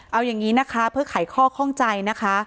เอาอย่างนี้นะคะเพื่อไขข้อข้องใจนะคะ